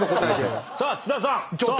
さあ津田さん。